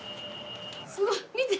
すごい！見て！